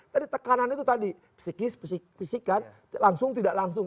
tadi tekanannya itu tadi psikis psikan langsung tidak langsung